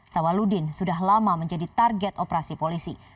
sawaludin sudah lama menjadi target operasi polisi